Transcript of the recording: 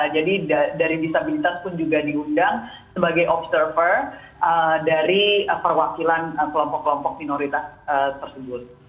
jadi dari disabilitas pun juga diundang sebagai observer dari perwakilan kelompok kelompok minoritas tersebut